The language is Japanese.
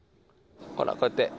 ほら、こうやって。